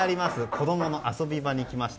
子供の遊び場に来ました。